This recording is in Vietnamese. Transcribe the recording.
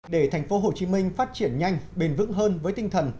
để tp hcm phát triển nhanh bền vững hơn với tinh thần